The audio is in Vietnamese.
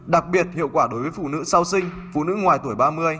đặc biệt hiệu quả đối với phụ nữ sau sinh phụ nữ ngoài tuổi ba mươi